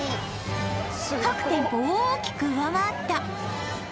各店舗大きく上回った